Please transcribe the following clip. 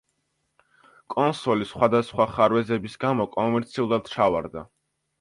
კონსოლი სხვადასხვა ხარვეზების გამო კომერციულად ჩავარდა.